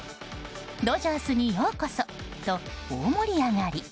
ドジャースにようこそ！と大盛り上がり。